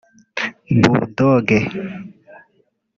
Bull Dogg